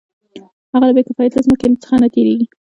هغه له بې کفایته ځمکې څخه نه تېرېږي